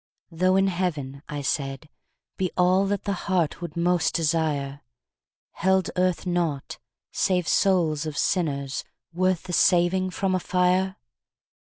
"Though in Heaven," I said, "be all That the heart would most desire, Held Earth naught save souls of sinners Worth the saving from a fire?